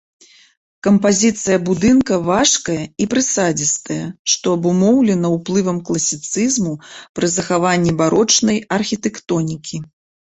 Кампазіцыя будынка важкая і прысадзістая, што абумоўлена ўплывам класіцызму пры захаванні барочнай архітэктонікі.